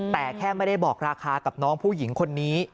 แต่แค่ไม่ได้บอกราคากับน้องผู้หญิงคนนี้